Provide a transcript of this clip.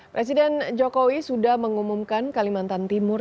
presiden jokowi sudah mengumumkan kalimantan timur